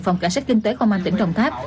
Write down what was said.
phòng cả xác kinh tế công an tỉnh đồng tháp